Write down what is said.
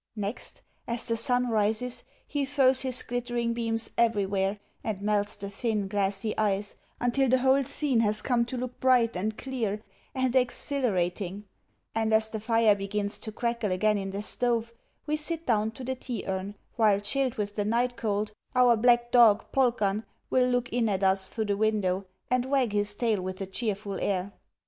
Next, as the sun rises, he throws his glittering beams everywhere, and melts the thin, glassy ice until the whole scene has come to look bright and clear and exhilarating; and as the fire begins to crackle again in the stove, we sit down to the tea urn, while, chilled with the night cold, our black dog, Polkan, will look in at us through the window, and wag his tail with a cheerful air.